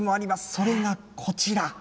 それがこちら。